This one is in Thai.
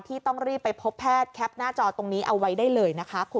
ที่ต้องรีบไปพบแพทย์